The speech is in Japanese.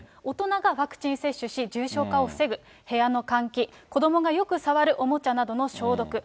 大人がワクチン接種し、重症化を防ぐ、部屋の換気、子どもがよく触るおもちゃなどの消毒。